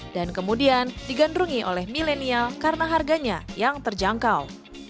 dan kemudian digandrungi oleh milenial karena harganya yang terjangkau